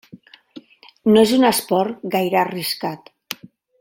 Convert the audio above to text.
No és un esport gaire arriscat.